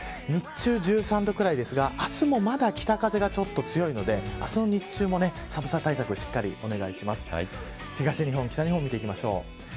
日中、１３度ぐらいですが明日もまだ北風がちょっと強いので明日の日中も寒さ対策をしっかりお願いします。